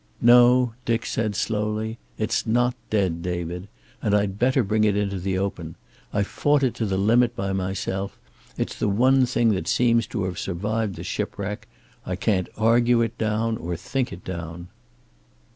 "No," Dick said slowly. "It's not dead, David. And I'd better bring it into the open. I've fought it to the limit by myself. It's the one thing that seems to have survived the shipwreck. I can't argue it down or think it down."